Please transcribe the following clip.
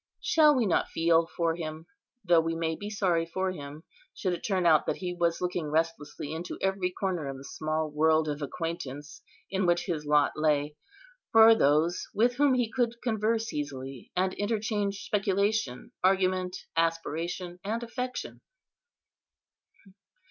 Shall we not feel for him, though we may be sorry for him, should it turn out that he was looking restlessly into every corner of the small world of acquaintance in which his lot lay, for those with whom he could converse easily, and interchange speculation, argument, aspiration, and affection?